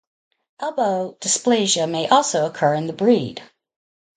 Elbow dysplasia may also occur in the breed.